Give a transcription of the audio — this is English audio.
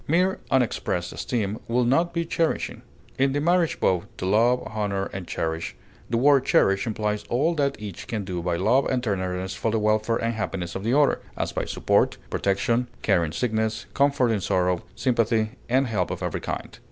Mere unexpressed esteem would not be cherishing. In the marriage vow, "to love, honor, and cherish," the word cherish implies all that each can do by love and tenderness for the welfare and happiness of the other, as by support, protection, care in sickness, comfort in sorrow, sympathy, and help of every kind.